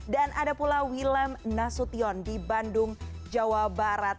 dan ada pula wilam nasution di bandung jawa barat